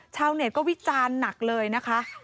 ชาวเน็ตก็วิจารณ์หนักเลยนะคะ